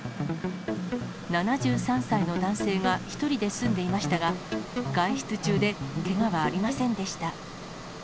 ７３歳の男性が１人で住んでいましたが、外出中でけがはありませんでした。